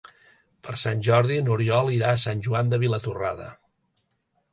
Per Sant Jordi n'Oriol irà a Sant Joan de Vilatorrada.